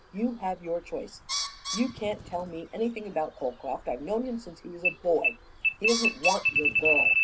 You have your choice. You can't tell me anything about Holcroft; I've known him since he was a boy. He doesn't want your girl.